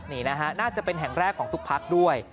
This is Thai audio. นี่นะฮะน่าจะเป็นแห่งแรกของทุกพักด้วย